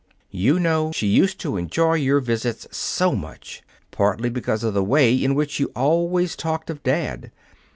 "You know she used to enjoy your visits so much, partly because of the way in which you always talked of Dad.